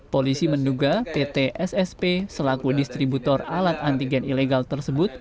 polisi menduga pt ssp selaku distributor alat antigen ilegal tersebut